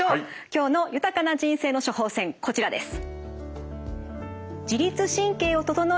今日の豊かな人生の処方せんこちらです。